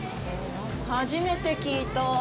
初めて聞いた。